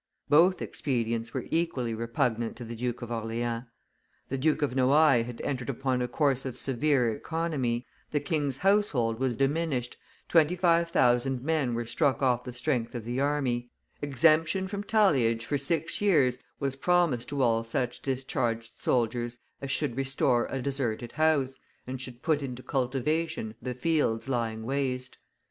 Both expedients were equally repugnant to the Duke of Orleans. The Duke of Noailles had entered upon a course of severe economy; the king's household was diminished, twenty five thousand men were struck off the strength of the army, exemption from talliage for six years was promised to all such discharged soldiers as should restore a deserted house, and should put into cultivation the fields lying waste.